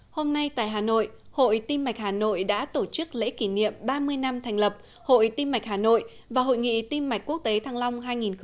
hôm nay tại hà nội hội tim mạch hà nội đã tổ chức lễ kỷ niệm ba mươi năm thành lập hội tim mạch hà nội và hội nghị tim mạch quốc tế thăng long hai nghìn hai mươi